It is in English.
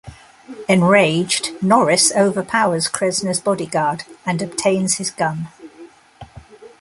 Enraged, Norris overpowers Cressner's bodyguard and obtains his gun.